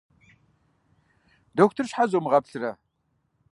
Дохутыр щхьэ зомыгъэплърэ?